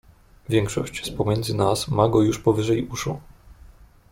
"Większość z pomiędzy nas ma go już powyżej uszu."